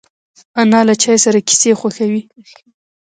انا له چای سره کیسې خوښوي